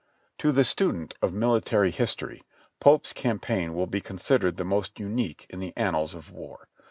To the student of military history Pope's campaign will be considered the most unique in the annals of war.